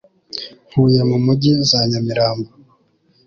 ntuye mu mujyi za nyamirambo